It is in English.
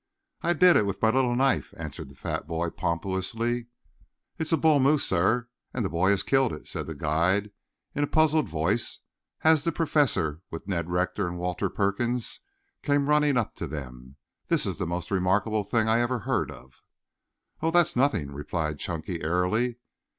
"I did it with my little knife," answered the fat boy pompously. "It's a bull moose, sir, and the boy has killed it," said the guide in a puzzled voice, as the Professor, with Ned Rector and Walter Perkins, came running up to them. "This is the most remarkable thing I ever heard of." "Oh, that's nothing," replied Chunky airily.